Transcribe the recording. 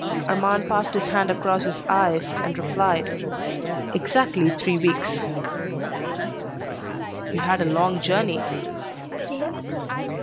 Armand passed his hand across his eyes and replied, "Exactly three weeks." "You had a long journey."